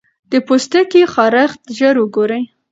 د پوستکي خارښت ژر وګورئ.